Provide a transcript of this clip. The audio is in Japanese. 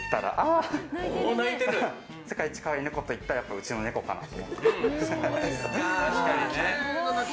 世界一可愛いネコといったらうちのネコかなと。